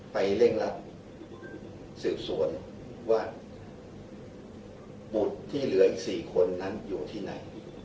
เร่งรัดสืบสวนว่าบุตรที่เหลืออีก๔คนนั้นอยู่ที่ไหน